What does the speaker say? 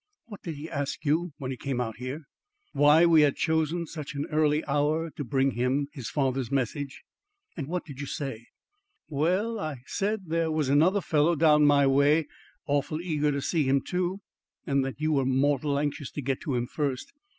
"What did he ask you when he came out here?" "Why we had chosen such an early hour to bring him his father's message." "And what did you say?" "Wa'al, I said that there was another fellow down my way awful eager to see him, too; and that you were mortal anxious to get to him first.